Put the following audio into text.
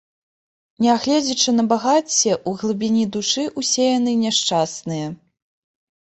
Нягледзячы на багацце, у глыбіні душы ўсе яны няшчасныя.